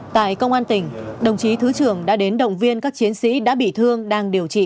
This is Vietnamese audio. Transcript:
tại công an tỉnh đồng chí thứ trưởng đã đến động viên các chiến sĩ đã bị thương đang điều trị